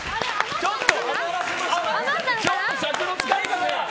ちょっと尺の使い方が。